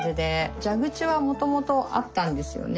蛇口はもともとあったんですよね。